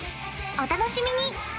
お楽しみに！